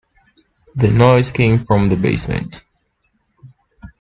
The noise came from the basement.